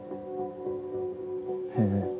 へえ。